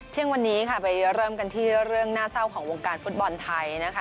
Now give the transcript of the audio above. เที่ยงวันนี้ค่ะไปเริ่มกันที่เรื่องน่าเศร้าของวงการฟุตบอลไทยนะคะ